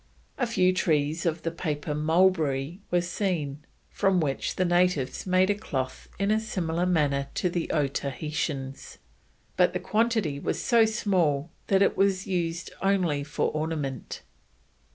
A few trees of the paper mulberry were seen, from which the natives made a cloth in a similar manner to the Otaheitans, but the quantity was so small that it was only used for ornament.